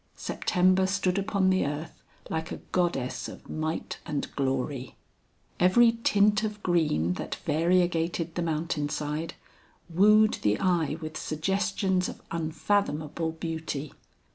September stood upon the earth like a goddess of might and glory. Every tint of green that variegated the mountain side, wooed the eye with suggestions of unfathomable beauty.